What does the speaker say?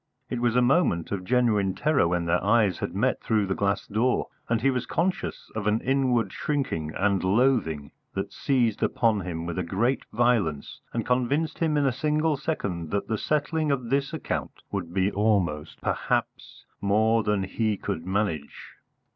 It was a moment of genuine terror when their eyes had met through the glass door, and he was conscious of an inward shrinking and loathing that seized upon him with great violence and convinced him in a single second that the settling of this account would be almost, perhaps, more than he could manage.